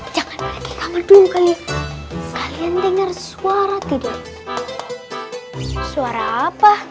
jangan balik ke kamar dulu kalian kalian dengern suara tidak suara apa